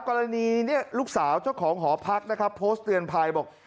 กรณีเนี่ยลูกสาวเจ้าของหอพักนะครับโพสต์เตือนภัยบอก